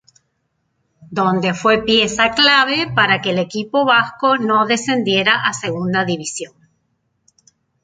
Donde fue pieza clave para que el equipo vasco no descendiera a Segunda División.